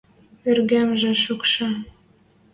Выргемжӹ шӱкшӹ.